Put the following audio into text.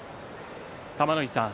玉ノ井さん